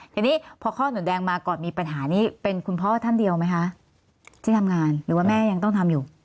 ทีนี้พอข้อหนุนแดงมาก่อนมีปัญหานี้เป็นคุณพ่อท่านเดียวไหมคะที่ทำงานหรือว่าแม่ยังต้องทำอยู่